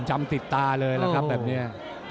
จำติดตาเลยล่ะครับแบบนี้